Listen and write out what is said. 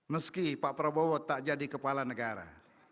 meski pak prabowo tak jadi kepala negara